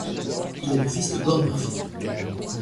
Il est le fils de Gord Murphy.